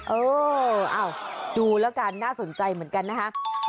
เออดูแล้วกันน่าสนใจเหมือนกันนะคะ